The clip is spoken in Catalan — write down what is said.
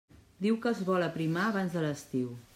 Diu que es vol aprimar abans de l'estiu.